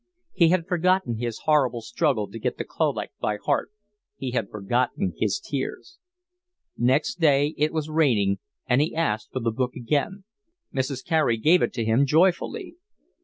He had forgotten his horrible struggle to get the collect by heart; he had forgotten his tears. Next day it was raining, and he asked for the book again. Mrs. Carey gave it him joyfully.